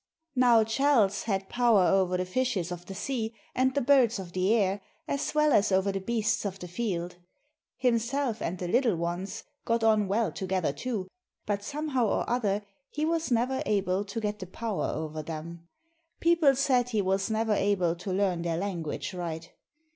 Now Chalse had power over the fishes of the sea and the birds of the air as well as over the beasts of the field. Himself and the Little Ones got on well together too, but somehow or other he was never able to get the power over them. People said he was never able to learn their language right.